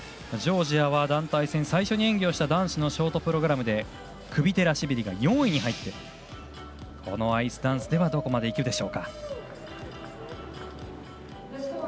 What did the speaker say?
ジョージアは団体戦最初に演技をした男子のショートプログラムでクビテラシビリが４位に入ってこのアイスダンスではどこまで行けるでしょうか。